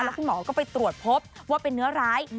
คุณหมอก็ไปตรวจพบว่าเป็นเนื้อร้าย